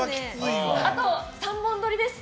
あと、３本撮りです。